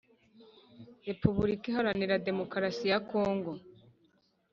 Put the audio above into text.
repuburika Iharanira Demokarasi ya Kongo